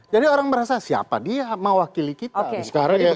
jadi orang merasa siapa dia yang mewakili kita